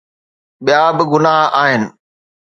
ٻيا به گناهه آهن.